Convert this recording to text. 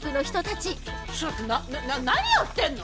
ちょっとな何やってんの！？